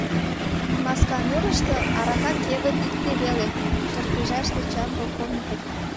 — Масканурышто арака кевыт икте веле, — шыргыжаш тӧча Полковников.